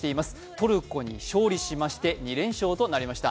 トルコに勝利しまして、２連勝となりました。